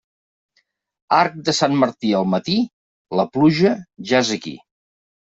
Arc de Sant Martí al matí, la pluja ja és aquí.